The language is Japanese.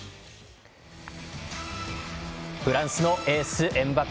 フランスのエース、エムバペ。